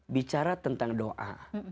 bicara tentang doa